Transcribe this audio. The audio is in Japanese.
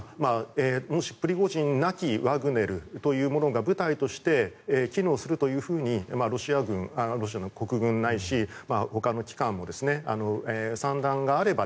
もしプリゴジンなきワグネルというものが部隊として機能するとロシアの国軍ないしほかの機関も算段があれば